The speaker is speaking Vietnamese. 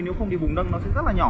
nếu không thì vùng lân nó sẽ rất là nhỏ